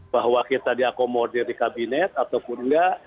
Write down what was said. bahwa kita diakomodir di kabinet ataupun enggak